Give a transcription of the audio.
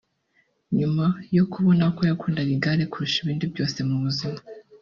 nyuma yo kubona ko yakundaga igare kurusha ibindi byose mu buzima